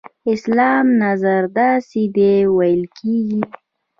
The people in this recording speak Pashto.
اسلام نظر داسې دی ویل کېږي.